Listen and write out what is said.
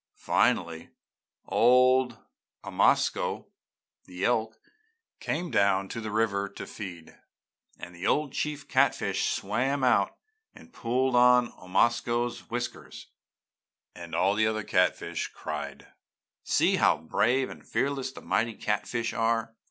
"Finally old Omasko, the elk, came down to the river to feed, and the old chief catfish swam out and pulled on Omasko's whiskers, and all the other catfish cried: 'See how brave and fearless the mighty catfish are!'